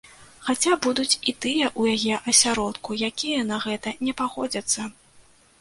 Хаця будуць і тыя ў яе асяродку, якія на гэта не пагодзяцца.